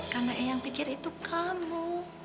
karena ayang pikir itu kamu